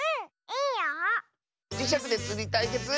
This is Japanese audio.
じしゃくでつりたいけつ